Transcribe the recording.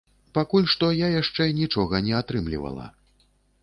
Пакуль што я яшчэ нічога не атрымлівала.